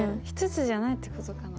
１つじゃないってことかな？